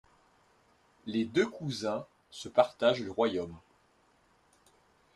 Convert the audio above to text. Les deux cousins se partagent le royaume.